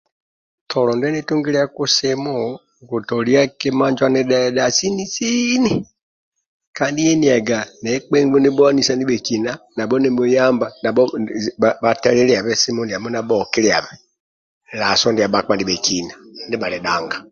tolo ndie nitungiliiaku simu nkutolia tolo injo anidhedha sini sini kandi yeniyaga nekpembgu nibhuanisa ndibhekina nabho nibhuyamba bhatelilabe simu ndiamo bhokiliabe laso ndia bhakpa ndibhekina ndibhali dhanga